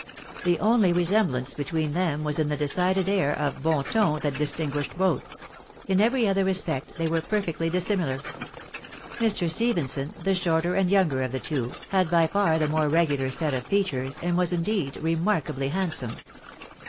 The only resemblance between them was in the decided ah* of bon ton that distinguished both; in every other respect they were perfectly dissimilar. Mr. Stephenson, the shorter and younger of the two, had by far the more regular set of features, and was indeed remarkably handsome.